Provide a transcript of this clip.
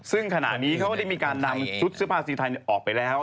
ซึ่งขณะนี้เขาก็ได้มีการนำชุดเสื้อผ้าสีไทยออกไปแล้ว